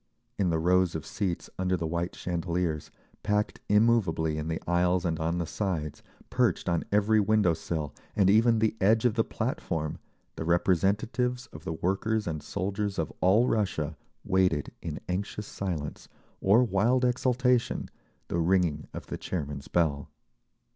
In the rows of seats, under the white chandeliers, packed immovably in the aisles and on the sides, perched on every window sill, and even the edge of the platform, the representatives of the workers and soldiers of all Russia waited in anxious silence or wild exultation the ringing of the chairman's bell.